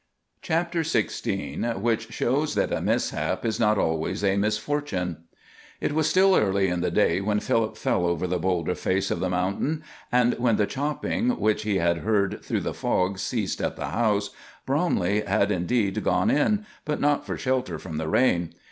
CHAPTER XVI WHICH SHOWS THAT A MISHAP IS NOT ALWAYS A MISFORTUNE It was still early in the day when Philip fell over the boulder face of the mountain; and when the chopping which he had heard through the fog ceased at the house, Bromley had indeed gone in, but not for shelter from the rain.